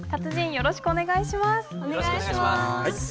よろしくお願いします。